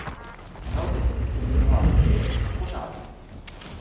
Lhal bych, kdybych prohlásil, že je všechno v pořádku.